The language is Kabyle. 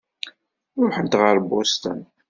Ṛuḥent ɣer Boston.